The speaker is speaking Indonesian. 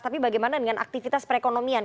tapi bagaimana dengan aktivitas perekonomian